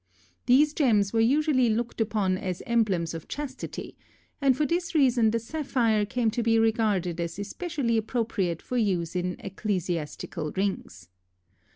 These gems were usually looked upon as emblems of chastity, and for this reason the sapphire came to be regarded as especially appropriate for use in ecclesiastical rings.